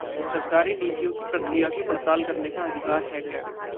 सरकारी नीतियों की प्रक्रिया की पड़ताल करने का अधिकार है कैग को